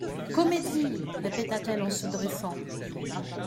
—«Comédie !» répéta-t-elle en se dressant.